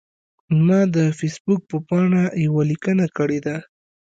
ما د فیسبوک په پاڼه یوه لیکنه کړې ده.